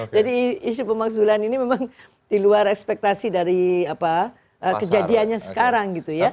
jadi isu pemansulan ini memang di luar ekspektasi dari kejadiannya sekarang gitu ya